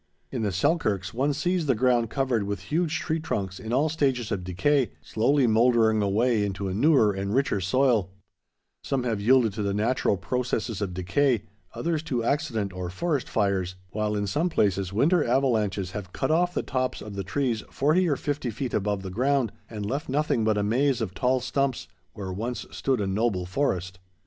In the Selkirks, one sees the ground covered with huge tree trunks in all stages of decay, slowly moldering away into a newer and richer soil; some have yielded to the natural processes of decay, others to accident or forest fires, while in some places winter avalanches have cut off the tops of the trees forty or fifty feet above the ground, and left nothing but a maze of tall stumps where once stood a noble forest.